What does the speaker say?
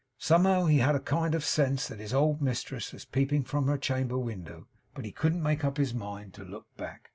Somehow he had a kind of sense that his old mistress was peeping from her chamber window, but he couldn't make up his mind to look back.